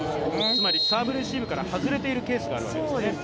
つまり、サーブレシーブから外れているケースがあるわけですね。